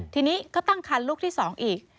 ทีนี้ก็ตั้งคันลูกที่๒อีก